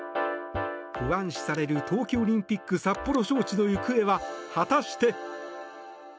不安視される冬季オリンピック札幌招致の行方は果たして。